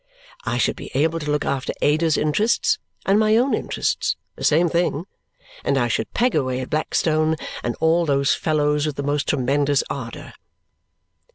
I should be able to look after Ada's interests and my own interests (the same thing!); and I should peg away at Blackstone and all those fellows with the most tremendous ardour."